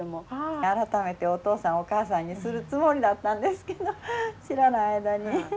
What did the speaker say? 改めてお父さんお母さんにするつもりだったんですけど知らない間に。